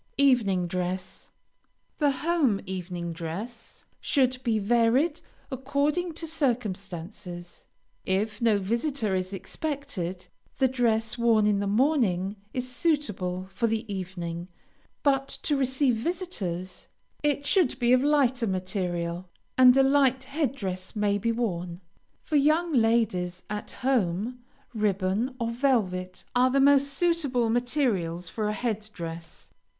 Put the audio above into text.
EVENING DRESS The home evening dress should be varied according to circumstances. If no visitor is expected, the dress worn in the morning is suitable for the evening; but to receive visitors, it should be of lighter material, and a light head dress may be worn. For young ladies, at home, ribbon or velvet are the most suitable materials for a head dress.